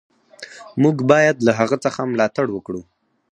موږ باید له هغه څه ملاتړ وکړو.